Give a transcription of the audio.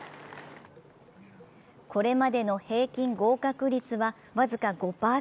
これまでの平均合格率は僅か５％。